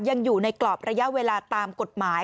ยังอยู่ในกรอบระยะเวลาตามกฎหมาย